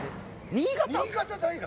新潟大学？